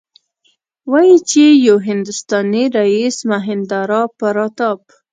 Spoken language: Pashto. وايي چې یو هندوستانی رئیس مهیندراپراتاپ.